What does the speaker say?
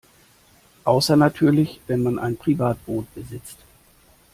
Außer natürlich wenn man ein Privatboot besitzt.